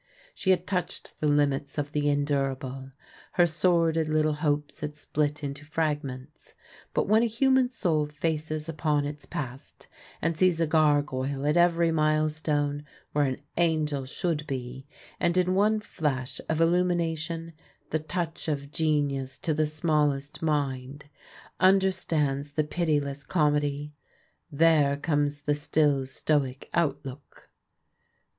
She had touched the limits of the endurable ; her sor did little hopes had split into fragments. But when a human soul faces upon its past, and sees a gargoyle at every milestone where an angel should be, and in one flash of illumination — the touch of genius to the small est mind — understands the pitiless comedy, there comes the still stoic outlook.